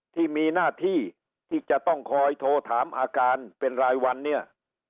ที่มีหน้าที่ที่จะต้องคอยโทรถามอาการเป็นรายวันเนี่ย